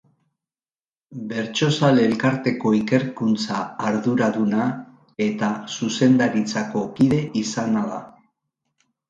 Bertsozale Elkarteko ikerkuntza arduraduna eta zuzendaritzako kide izana da.